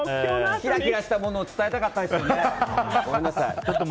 キラキラしたものを伝えたかったですけどね。